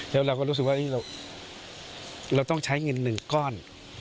แล้วเราก็รู้สึกว่าเราต้องใช้เงิน๑ก้อน